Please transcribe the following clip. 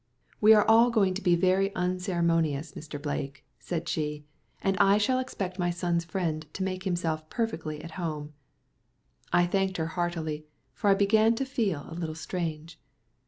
"We are all going to be very unceremonious, Mr. Blake," she said, "and I shall expect my son's friend to make himself perfectly at home." I thanked her heartily, for I began to feel a little strange.